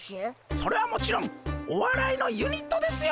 それはもちろんおわらいのユニットですよ。